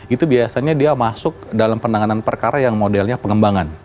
itu biasanya dia masuk dalam penanganan perkara yang modelnya pengembangan